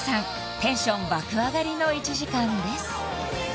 テンション爆上がりの１時間です